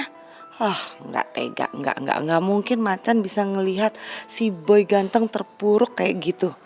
hah nggak tega nggak nggak nggak mungkin macan bisa ngelihat si boy ganteng terpuruk kayak gitu